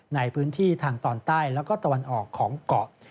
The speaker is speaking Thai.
ในพื้นที่ทางตอนใต้แล้วก็ตะวันออกของเกาะ